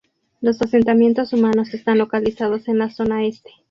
Los asentamientos humanos están localizados en la zona este.